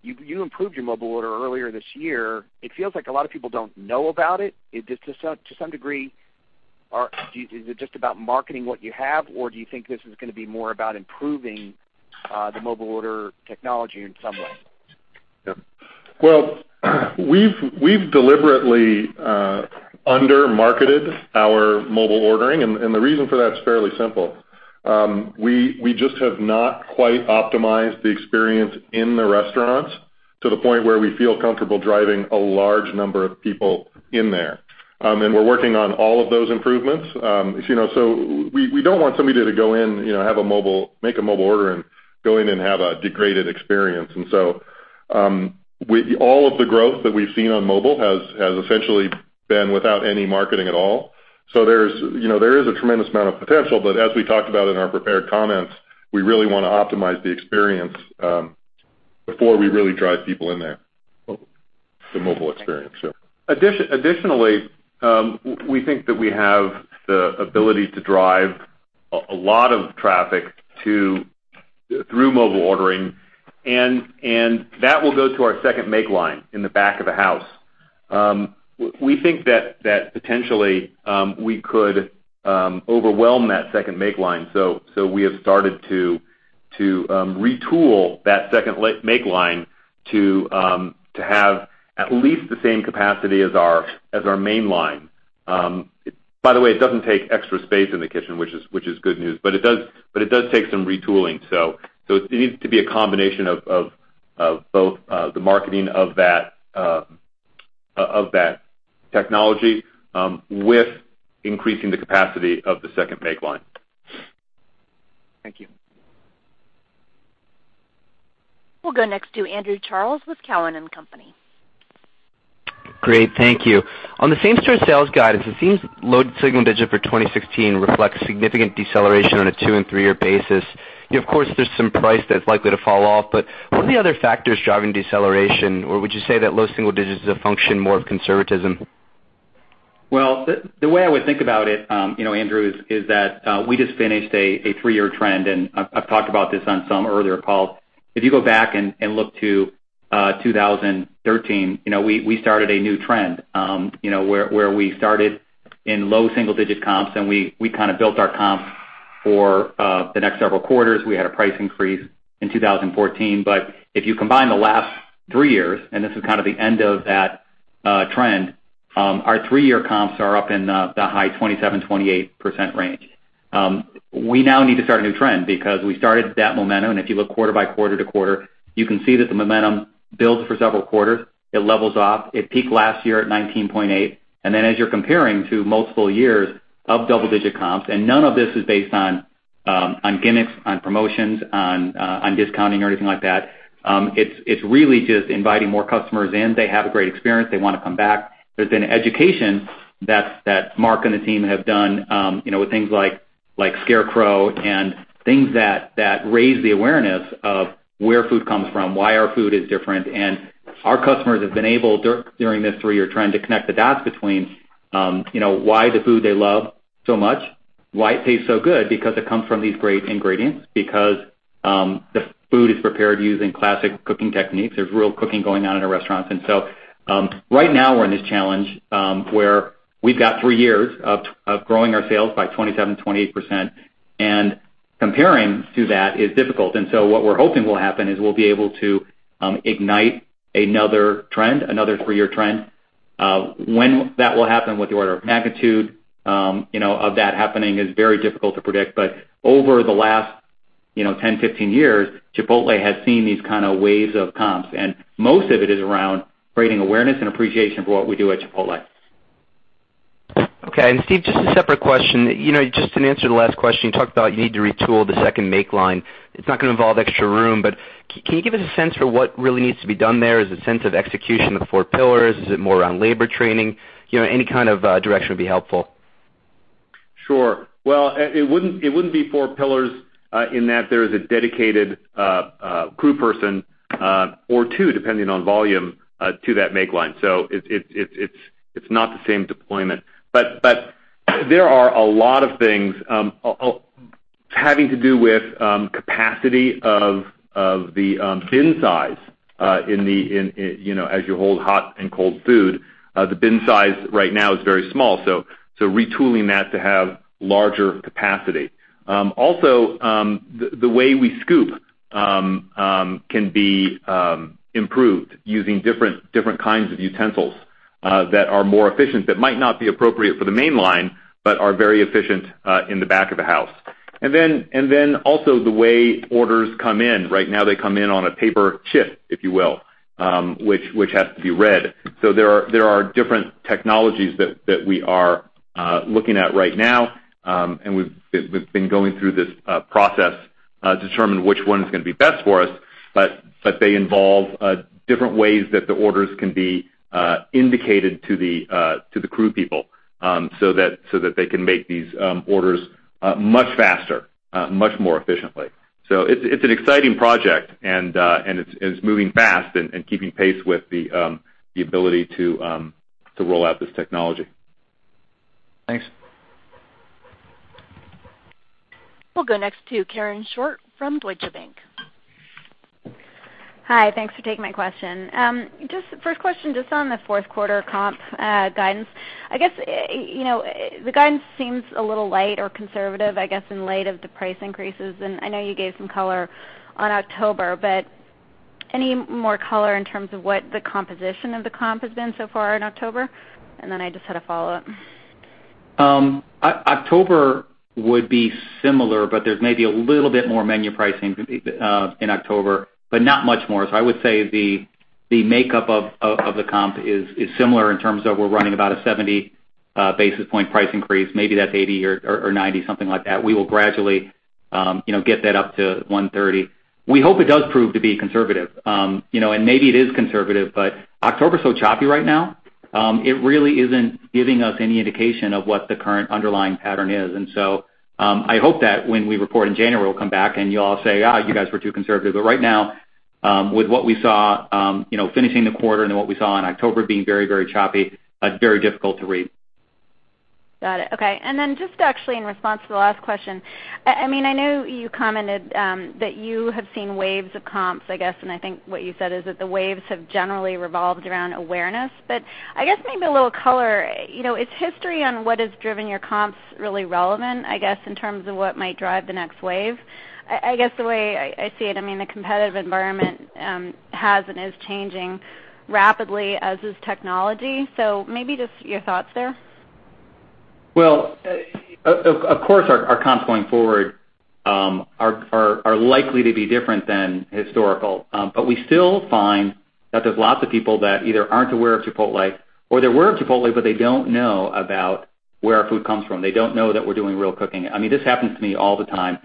You improved your mobile order earlier this year. It feels like a lot of people don't know about it. To some degree, is it just about marketing what you have, or do you think this is going to be more about improving the mobile order technology in some way? Yeah. We've deliberately under-marketed our mobile ordering. The reason for that is fairly simple. We just have not quite optimized the experience in the restaurants to the point where we feel comfortable driving a large number of people in there. We're working on all of those improvements. We don't want somebody to go in, make a mobile order, and go in and have a degraded experience. All of the growth that we've seen on mobile has essentially been without any marketing at all. There is a tremendous amount of potential, but as we talked about in our prepared comments, we really want to optimize the experience before we really drive people in there. The mobile experience, yeah. Additionally, we think that we have the ability to drive a lot of traffic through mobile ordering. That will go to our second make line in the back of the house. We think that potentially, we could overwhelm that second make line. We have started to retool that second make line to have at least the same capacity as our main line. By the way, it doesn't take extra space in the kitchen, which is good news, but it does take some retooling. It needs to be a combination of both the marketing of that technology with increasing the capacity of the second make line. Thank you. We'll go next to Andrew Charles with Cowen and Company. Great. Thank you. On the same-store sales guidance, it seems low single-digit for 2016 reflects significant deceleration on a two and three-year basis. What are the other factors driving deceleration? Would you say that low single-digit is a function more of conservatism? Well, the way I would think about it, Andrew, is that we just finished a three-year trend. I've talked about this on some earlier calls. If you go back and look to 2013, we started a new trend, where we started in low single-digit comps. We kind of built our comps for the next several quarters. We had a price increase in 2014. If you combine the last three years, this is kind of the end of that trend, our three-year comps are up in the high 27%-28% range. We now need to start a new trend because we started that momentum. If you look quarter-by-quarter to quarter, you can see that the momentum builds for several quarters. It levels off. It peaked last year at 19.8%. As you're comparing to multiple years of double-digit comps, none of this is based on gimmicks, on promotions, on discounting or anything like that. It's really just inviting more customers in. They have a great experience. They want to come back. There's been education that Mark and the team have done, with things like Scarecrow and things that raise the awareness of where food comes from, why our food is different. Our customers have been able, during this three-year trend, to connect the dots between why the food they love so much, why it tastes so good, because it comes from these great ingredients, because the food is prepared using classic cooking techniques. There's real cooking going on in our restaurants. Right now, we're in this challenge, where we've got three years of growing our sales by 27%-28%. Comparing to that is difficult. What we're hoping will happen is we'll be able to ignite another trend, another three-year trend. When that will happen with the order of magnitude of that happening is very difficult to predict. Over the last 10-15 years, Chipotle has seen these kind of waves of comps. Most of it is around creating awareness and appreciation for what we do at Chipotle. Okay. Steve, just a separate question. Just to answer the last question, you talked about you need to retool the second make line. It's not going to involve extra room, but can you give us a sense for what really needs to be done there? Is it a sense of execution of the four pillars? Is it more around labor training? Any kind of direction would be helpful. Sure. Well, it wouldn't be four pillars, in that there is a dedicated crew person, or two, depending on volume, to that make line. It's not the same deployment. There are a lot of things. It's having to do with capacity of the bin size as you hold hot and cold food. The bin size right now is very small, so retooling that to have larger capacity. Also, the way we scoop can be improved using different kinds of utensils that are more efficient, that might not be appropriate for the main line, but are very efficient in the back of the house. Then also the way orders come in. Right now, they come in on a paper chit, if you will, which has to be read. There are different technologies that we are looking at right now. We've been going through this process to determine which one is going to be best for us. They involve different ways that the orders can be indicated to the crew people, so that they can make these orders much faster, much more efficiently. It's an exciting project, and it's moving fast and keeping pace with the ability to roll out this technology. Thanks. We'll go next to Karen Short from Deutsche Bank. Hi. Thanks for taking my question. First question, just on the fourth quarter comp guidance. I guess, the guidance seems a little light or conservative, I guess, in light of the price increases. I know you gave some color on October, but any more color in terms of what the composition of the comp has been so far in October? Then I just had a follow-up. October would be similar, but there's maybe a little bit more menu pricing in October, but not much more. I would say the makeup of the comp is similar in terms of we're running about a 70 basis point price increase. Maybe that's 80 or 90, something like that. We will gradually get that up to 130. We hope it does prove to be conservative, and maybe it is conservative, but October's so choppy right now. It really isn't giving us any indication of what the current underlying pattern is. I hope that when we report in January, we'll come back, and you all say, "You guys were too conservative." But right now, with what we saw finishing the quarter and what we saw in October being very choppy, it's very difficult to read. Got it. Okay. Just actually in response to the last question, I know you commented that you have seen waves of comps, I guess, and I think what you said is that the waves have generally revolved around awareness, but I guess maybe a little color, is history on what has driven your comps really relevant, I guess, in terms of what might drive the next wave? I guess, the way I see it, the competitive environment has and is changing rapidly, as is technology. Maybe just your thoughts there. Of course, our comps going forward are likely to be different than historical. We still find that there's lots of people that either aren't aware of Chipotle, or they're aware of Chipotle, but they don't know about where our food comes from. They don't know that we're doing real cooking. This happens to me all the time.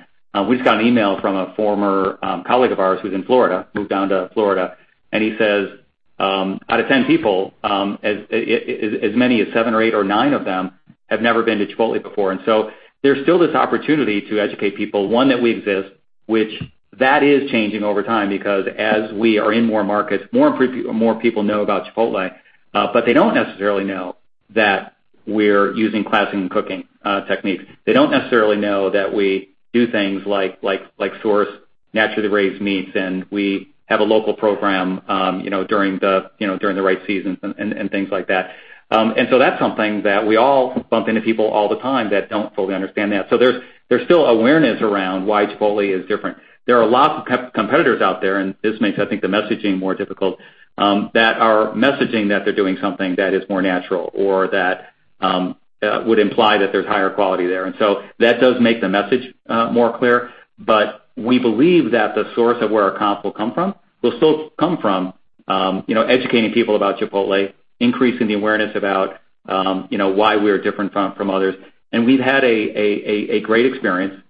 We just got an email from a former colleague of ours who's in Florida, moved down to Florida, and he says, out of 10 people, as many as seven or eight or nine of them have never been to Chipotle before. There's still this opportunity to educate people, one, that we exist, which that is changing over time, because as we are in more markets, more people know about Chipotle. They don't necessarily know that we're using classic cooking techniques. They don't necessarily know that we do things like source naturally raised meats, and we have a local program during the right seasons and things like that. That's something that we all bump into people all the time that don't fully understand that. There's still awareness around why Chipotle is different. There are lots of competitors out there, and this makes, I think, the messaging more difficult, that are messaging that they're doing something that is more natural or that would imply that there's higher quality there. That does make the message more clear. We believe that the source of where our comps will come from will still come from educating people about Chipotle, increasing the awareness about why we're different from others. We've had a great experience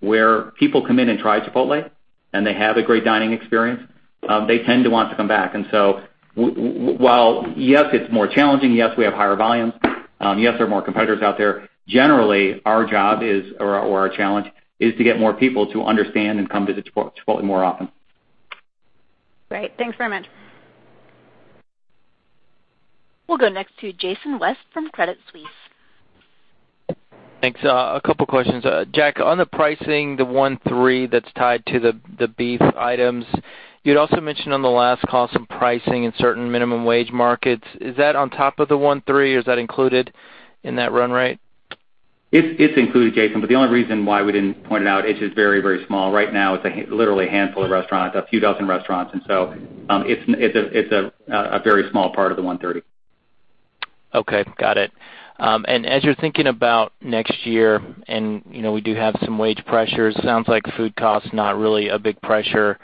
where people come in and try Chipotle, and they have a great dining experience. They tend to want to come back. While, yes, it's more challenging, yes, we have higher volumes, yes, there are more competitors out there, generally, our job or our challenge is to get more people to understand and come visit Chipotle more often. Great, thanks very much. We'll go next to Jason West from Credit Suisse. Thanks. A couple of questions. Jack, on the pricing, the 1.3 that's tied to the beef items, you'd also mentioned on the last call some pricing in certain minimum wage markets. Is that on top of the 1.3, or is that included in that run rate? It's included, Jason, the only reason why we didn't point it out, it's just very small. Right now, it's literally a handful of restaurants, a few dozen restaurants, and so it's a very small part of the 1.30. Okay. Got it. As you're thinking about next year, and we do have some wage pressures, sounds like food cost is not really a big pressure.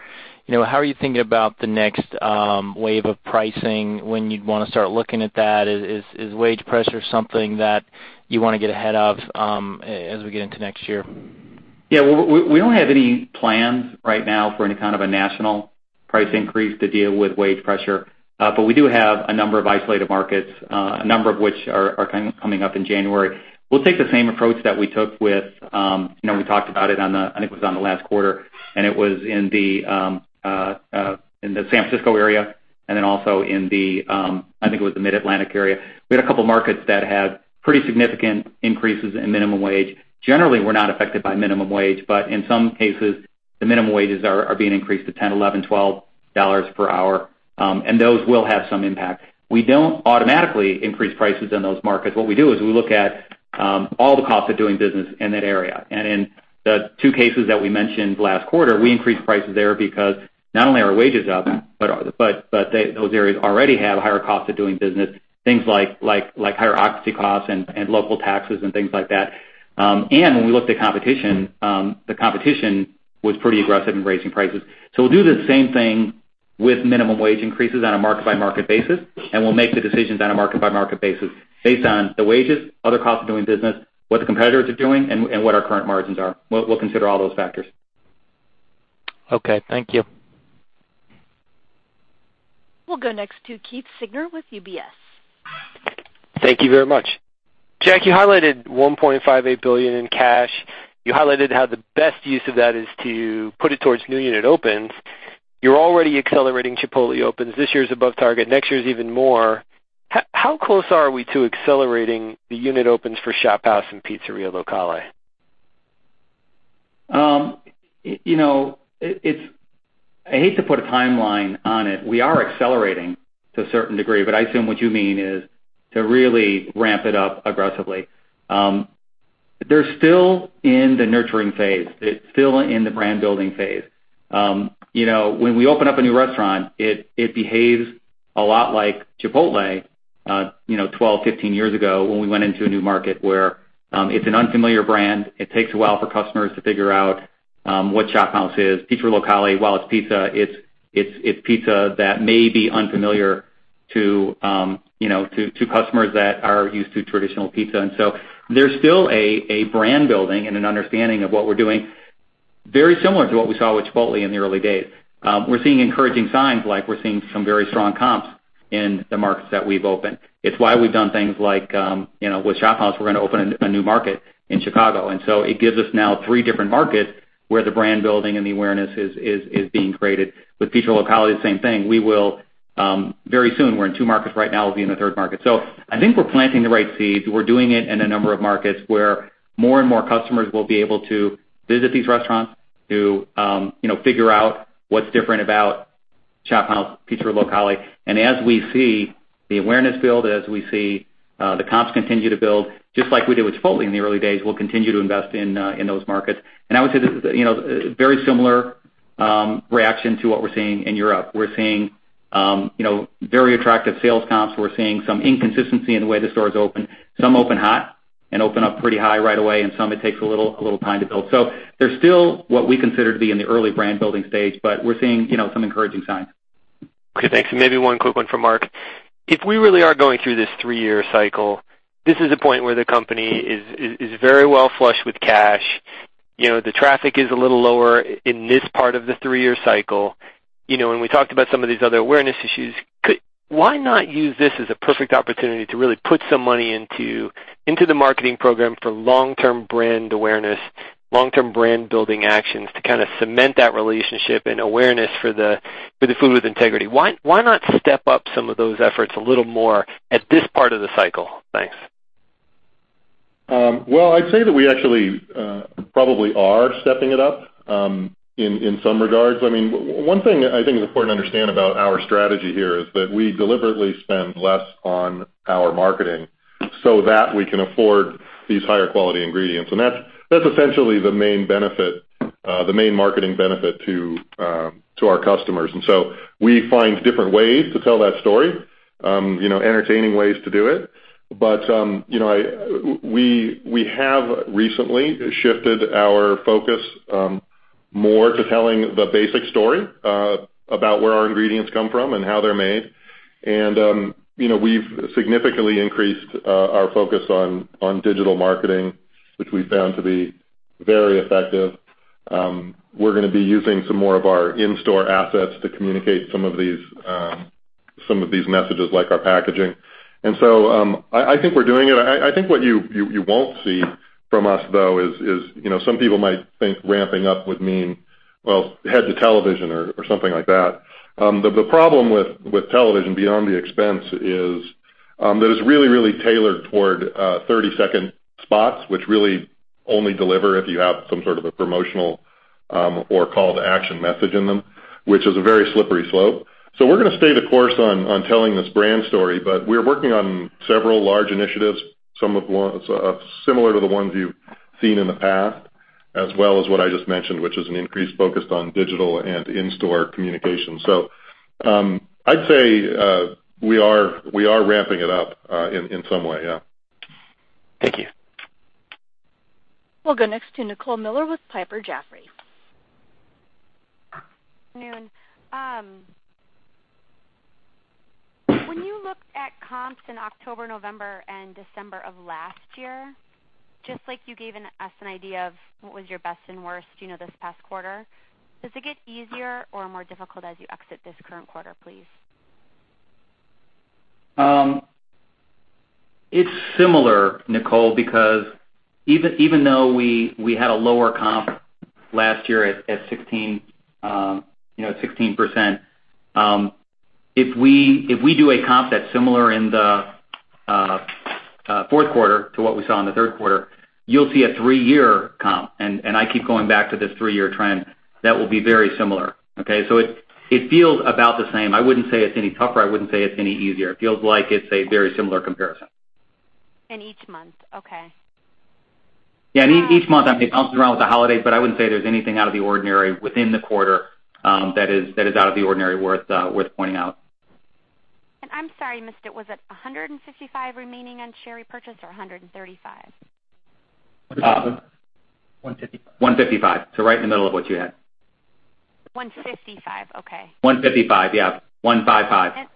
How are you thinking about the next wave of pricing, when you'd want to start looking at that? Is wage pressure something that you want to get ahead of as we get into next year? Yeah. We don't have any plans right now for any kind of a national price increase to deal with wage pressure. We do have a number of isolated markets, a number of which are coming up in January. We'll take the same approach that we took. We talked about it, I think it was on the last quarter, and it was in the San Francisco area and then also in the, I think it was the Mid-Atlantic area. We had a couple markets that had pretty significant increases in minimum wage. Generally, we're not affected by minimum wage, but in some cases. The minimum wages are being increased to $10, $11, $12 per hour. Those will have some impact. We don't automatically increase prices in those markets. What we do is we look at all the costs of doing business in that area. In the two cases that we mentioned last quarter, we increased prices there because not only are wages up, but those areas already have a higher cost of doing business. Things like higher occupancy costs and local taxes and things like that. When we looked at competition, the competition was pretty aggressive in raising prices. We'll do the same thing with minimum wage increases on a market-by-market basis, and we'll make the decisions on a market-by-market basis based on the wages, other costs of doing business, what the competitors are doing, and what our current margins are. We'll consider all those factors. Okay, thank you. We'll go next to Keith Siegner with UBS. Thank you very much. Jack, you highlighted $1.58 billion in cash. You highlighted how the best use of that is to put it towards new unit opens. You're already accelerating Chipotle opens. This year's above target, next year's even more. How close are we to accelerating the unit opens for ShopHouse and Pizzeria Locale? I hate to put a timeline on it. We are accelerating to a certain degree, I assume what you mean is to really ramp it up aggressively. They're still in the nurturing phase. It's still in the brand-building phase. When we open up a new restaurant, it behaves a lot like Chipotle 12, 15 years ago when we went into a new market where it's an unfamiliar brand. It takes a while for customers to figure out what ShopHouse is. Pizzeria Locale, while it's pizza, it's pizza that may be unfamiliar to customers that are used to traditional pizza. There's still a brand building and an understanding of what we're doing, very similar to what we saw with Chipotle in the early days. We're seeing encouraging signs like we're seeing some very strong comps in the markets that we've opened. It's why we've done things like with ShopHouse, we're going to open a new market in Chicago. It gives us now three different markets where the brand building and the awareness is being created. With Pizzeria Locale, the same thing. Very soon, we're in two markets right now. We'll be in the third market. I think we're planting the right seeds. We're doing it in a number of markets where more and more customers will be able to visit these restaurants to figure out what's different about ShopHouse, Pizzeria Locale. As we see the awareness build, as we see the comps continue to build, just like we did with Chipotle in the early days, we'll continue to invest in those markets. I would say this is a very similar reaction to what we're seeing in Europe. We're seeing very attractive sales comps. We're seeing some inconsistency in the way the stores open. Some open hot and open up pretty high right away, and some it takes a little time to build. They're still what we consider to be in the early brand-building stage, but we're seeing some encouraging signs. Okay, thanks. Maybe one quick one for Mark. If we really are going through this three-year cycle, this is a point where the company is very well flushed with cash. The traffic is a little lower in this part of the three-year cycle. When we talked about some of these other awareness issues, why not use this as a perfect opportunity to really put some money into the marketing program for long-term brand awareness, long-term brand-building actions to cement that relationship and awareness for the Food with Integrity? Why not step up some of those efforts a little more at this part of the cycle? Thanks. Well, I'd say that we actually probably are stepping it up in some regards. One thing I think is important to understand about our strategy here is that we deliberately spend less on our marketing so that we can afford these higher-quality ingredients. That's essentially the main marketing benefit to our customers. We find different ways to tell that story, entertaining ways to do it. We have recently shifted our focus more to telling the basic story about where our ingredients come from and how they're made. We've significantly increased our focus on digital marketing, which we found to be very effective. We're going to be using some more of our in-store assets to communicate some of these messages, like our packaging. I think we're doing it. I think what you won't see from us, though, is some people might think ramping up would mean head to television or something like that. The problem with television, beyond the expense, is that it's really tailored toward 30-second spots, which really only deliver if you have some sort of a promotional or call-to-action message in them, which is a very slippery slope. We're going to stay the course on telling this brand story, but we're working on several large initiatives, some of similar to the ones you've seen in the past, as well as what I just mentioned, which is an increased focus on digital and in-store communication. I'd say we are ramping it up in some way, yeah. Thank you. We'll go next to Nicole Miller with Piper Jaffray. Good afternoon. When you looked at comps in October, November, and December of last year, just like you gave us an idea of what was your best and worst this past quarter, does it get easier or more difficult as you exit this current quarter, please? It's similar, Nicole, because even though we had a lower comp last year at 16%, if we do a comp that's similar in the fourth quarter to what we saw in the third quarter, you'll see a three-year comp, and I keep going back to this three-year trend, that will be very similar. Okay. It feels about the same. I wouldn't say it's any tougher. I wouldn't say it's any easier. It feels like it's a very similar comparison. In each month. Okay. Yeah, in each month. It bounces around with the holidays, but I wouldn't say there's anything out of the ordinary within the quarter that is out of the ordinary worth pointing out. I'm sorry, I missed it. Was it $155 remaining on share repurchase or $135? 155. $155. Right in the middle of what you had. $155, okay. 155, yeah. 155.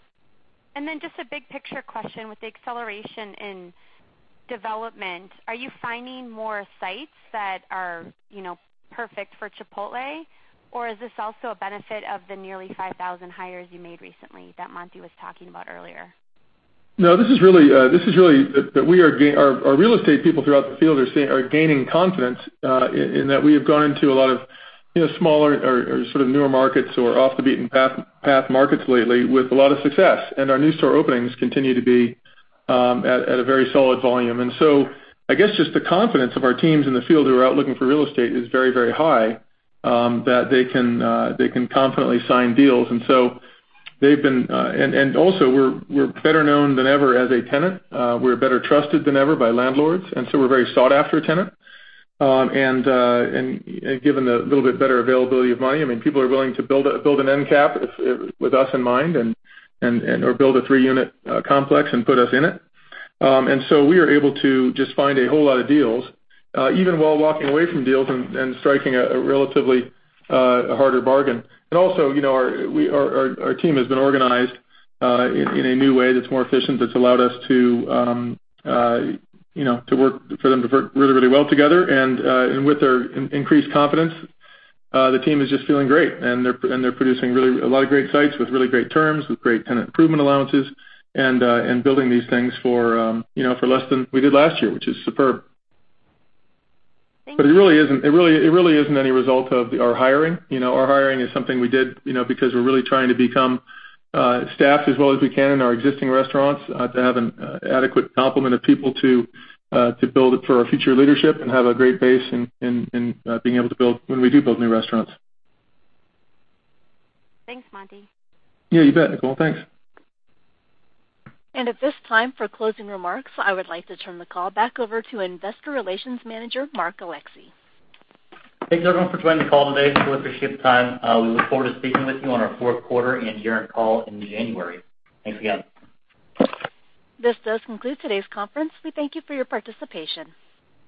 Just a big picture question with the acceleration in development. Are you finding more sites that are perfect for Chipotle? Or is this also a benefit of the nearly 5,000 hires you made recently that Monty was talking about earlier? No, this is really that our real estate people throughout the field are gaining confidence in that we have gone into a lot of smaller or sort of newer markets or off the beaten path markets lately with a lot of success. Our new store openings continue to be at a very solid volume. I guess just the confidence of our teams in the field who are out looking for real estate is very, very high that they can confidently sign deals. Also, we're better known than ever as a tenant. We're better trusted than ever by landlords, we're a very sought-after tenant. Given the little bit better availability of money, people are willing to build an end cap with us in mind or build a three-unit complex and put us in it. We are able to just find a whole lot of deals, even while walking away from deals and striking a relatively harder bargain. Also, our team has been organized in a new way that's more efficient, that's allowed us for them to work really, really well together. With their increased confidence, the team is just feeling great, and they're producing a lot of great sites with really great terms, with great tenant improvement allowances, and building these things for less than we did last year, which is superb. Thank you. It really isn't any result of our hiring. Our hiring is something we did because we're really trying to become staffed as well as we can in our existing restaurants to have an adequate complement of people to build for our future leadership and have a great base in being able to build when we do build new restaurants. Thanks, Monty. Yeah, you bet, Nicole. Thanks. At this time for closing remarks, I would like to turn the call back over to Manager, Investor Relations, Mark Alexee. Thanks, everyone, for joining the call today. We appreciate the time. We look forward to speaking with you on our fourth quarter and year-end call in January. Thanks again. This does conclude today's conference. We thank you for your participation.